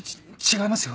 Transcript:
違います